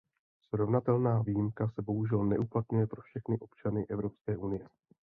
Srovnatelná výjimka se bohužel neuplatňuje pro všechny občany Evropské unie.